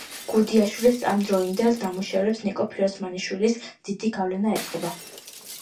გუდიაშვილის ამ დროინდელ ნამუშევრებს ნიკო ფიროსმანაშვილის დიდი გავლენა ეტყობა.